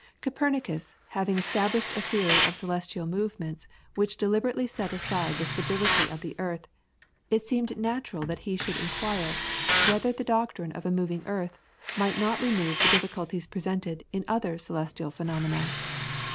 Copernicus having established a theory of the celestial movements which deliberately set aside the stability of the earth, it seemed natural that he should inquire whether the doctrine of a moving earth might not remove the difficulties presented in other celestial phenomena.